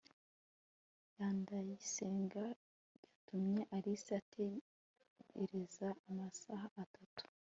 ndacyayisenga yatumye alice ategereza amasaha atatu